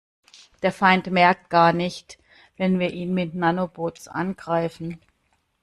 Der Feind merkt gar nicht, wenn wir ihn mit Nanobots angreifen.